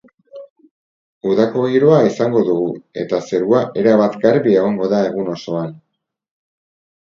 Udako giroa izango dugu, eta zerua erabat garbi egongo da egun osoan.